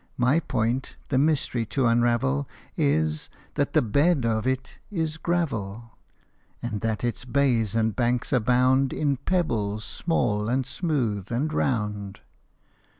My point, the mystery to unravel, Is, that the bed of it is gravel, And that its bays and banks abound In pebbles small, and smooth, and round.